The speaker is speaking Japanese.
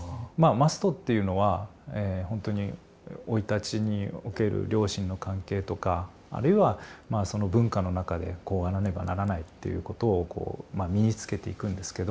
「ｍｕｓｔ」っていうのは本当に生い立ちにおける両親の関係とかあるいはその文化の中でこうあらねばならないっていうことをこう身につけていくんですけど。